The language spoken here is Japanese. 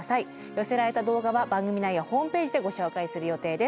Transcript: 寄せられた動画は番組内やホームページでご紹介する予定です。